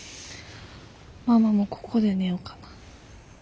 ママもここで寝よかな。